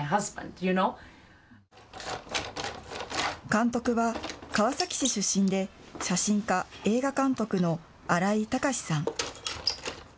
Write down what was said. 監督は川崎市出身で写真家、映画監督の新井卓さん。